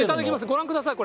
ご覧ください。